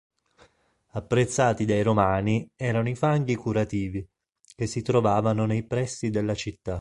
Apprezzati dai romani erano i fanghi curativi che si trovavano nei pressi della città.